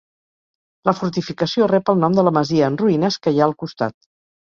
La fortificació rep el nom de la masia en ruïnes que hi ha al costat.